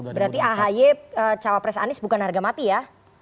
berarti ahy cawapres anies bukan harga mati ya